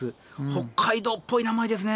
北海道っぽい名前ですね。